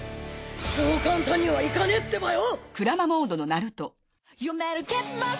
そう簡単にはいかねえってばよ！